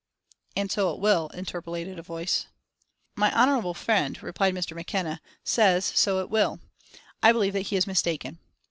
"And so it will," interpolated a voice. "My honourable friend," replied Mr. McKenna, "says so it will. I believe that he is mistaken."